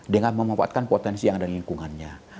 dengan memanfaatkan potensi yang ada di lingkungannya